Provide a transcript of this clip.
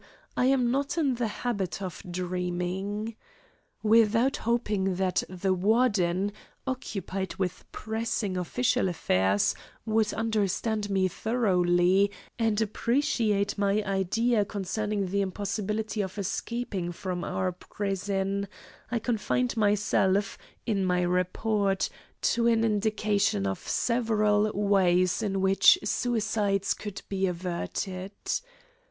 I am not in the habit of dreaming. Without hoping that the Warden, occupied with pressing official affairs, would understand me thoroughly and appreciate my idea concerning the impossibility of escaping from our prison, I confined myself, in my report, to an indication of several ways in which suicides could be averted.